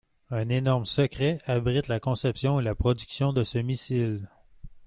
Un énorme secret abrite la conception et la production de ce missile.